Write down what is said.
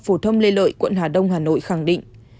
phổ thông lê lợi quận hà đông hà nội khẳng định